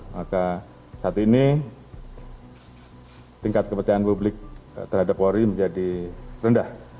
maka saat ini tingkat kepercayaan publik terhadap polri menjadi rendah